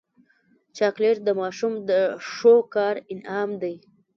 چاکلېټ د ماشوم د ښو کار انعام دی.